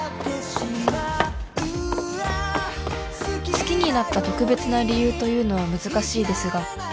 「好きになった特別な理由というのは難しいですが」